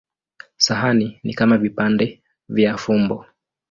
Sahani ni kama vipande vya fumbo.